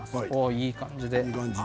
いい感じで。